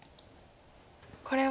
これは。